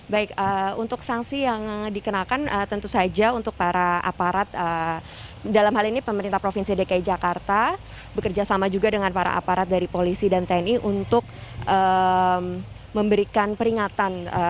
baik untuk sanksi yang dikenakan tentu saja untuk para aparat dalam hal ini pemerintah provinsi dki jakarta bekerja sama juga dengan para aparat dari polisi dan tni untuk memberikan peringatan